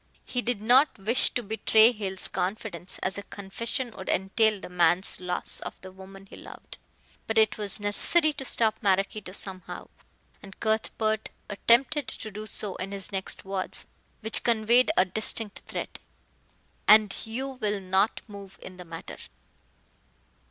He did not wish to betray Hale's confidence, as a confession would entail the man's loss of the woman he loved. But it was necessary to stop Maraquito somehow; and Cuthbert attempted to do so in his next words, which conveyed a distinct threat. "And you will not move in the matter."